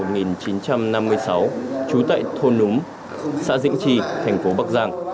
trú tại thôn núng xã dĩnh trì thành phố bắc giang